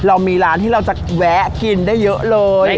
เรามีร้านที่เราจะแวะกินได้เยอะเลย